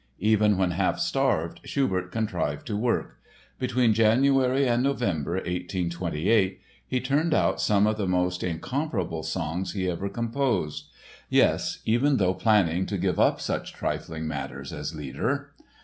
Even when half starved Schubert contrived to work. Between January and November, 1828, he turned out some of the most incomparable songs he ever composed (yes, even though planning to give up such trifling matters as Lieder!)